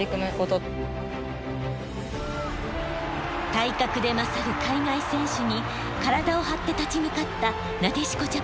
体格で勝る海外選手に体を張って立ち向かったなでしこジャパン。